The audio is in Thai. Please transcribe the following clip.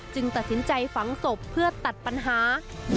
ตัดสินใจฝังศพเพื่อตัดปัญหา